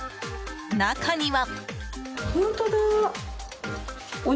中には。